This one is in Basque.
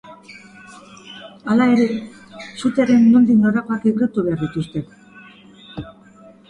Hala ere, sutearen nondik norakoak ikertu behar dituzte.